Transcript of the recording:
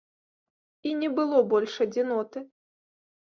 І не было больш адзіноты.